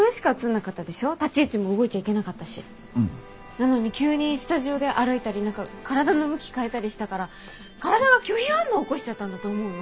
なのに急にスタジオで歩いたり何か体の向き変えたりしたから体が拒否反応起こしちゃったんだと思うの。